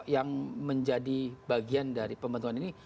yang menjadi bagian dari pembentukan ini